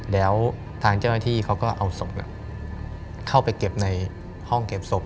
แล้วทางเจ้าหน้าที่เขาก็เอาศพเข้าไปเก็บในห้องเก็บศพ